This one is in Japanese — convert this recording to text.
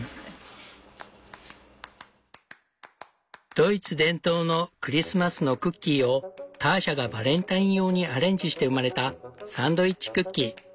ドイツ伝統のクリスマスのクッキーをターシャがバレンタイン用にアレンジして生まれた「サンドイッチクッキー」。